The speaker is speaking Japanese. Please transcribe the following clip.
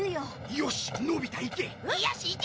よしのび太行け。